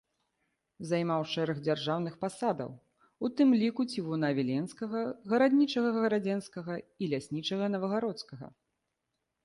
Займаў шэраг дзяржаўных пасадаў, у тым ліку цівуна віленскага, гараднічага гарадзенскага і ляснічага новагародскага.